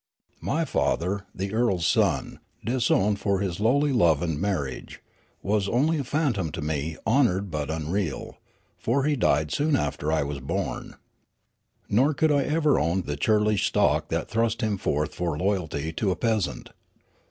My father, the earl's son, disowned for his lowly love and marriage, was only a phantom to me, honoured but unreal ; for he died soon after I was born. Nor could I ever own the churlish stock that thrust him forth for loyalty to a peasant.